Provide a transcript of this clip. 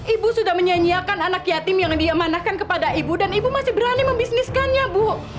ibu sudah menyanyiakan anak yatim yang diamanahkan kepada ibu dan ibu masih berani membisniskannya bu